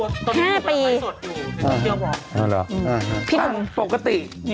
ตอนนี้อยู่แบบไฟสดอยู่เป็นผู้เชี่ยวพร้อมอ๋อเหรอพี่หนุ่ม